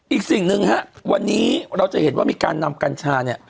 อีกสิ่งหนึ่งฮะวันนี้เราจะเห็นว่ามีการนำกัญชาเนี่ย